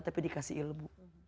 tapi dikasih ilmu